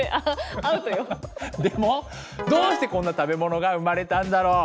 でもどうしてこんな食べ物が生まれたんだろう？